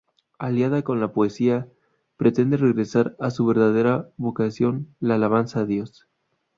Aliada con la Poesía, pretende regresar a su verdadera vocación: la alabanza a Dios.